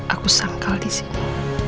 aku sangkal dipercaya